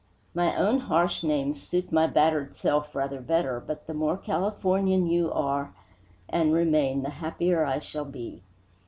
"My own harsh names suit my battered self rather better, but the more Californian you are and remain the happier I shall be.